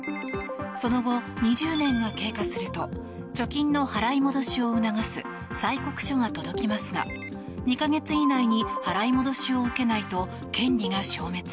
その後、２０年が経過すると貯金の払い戻しを促す催告書が届きますが２か月以内に払い戻しを受けないと権利が消滅。